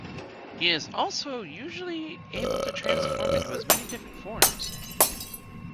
He is also usually able to transform into his many different forms.